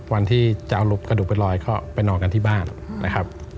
วันที่จะเอารูปกระดูกไปลอยก็ไปนอนกันที่บ้านนะครับ